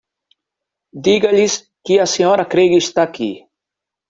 Diga-lhes que a Sra. Craig está aqui.